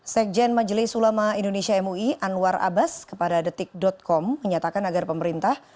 sekjen majelis ulama indonesia mui anwar abbas kepada detik com menyatakan agar pemerintah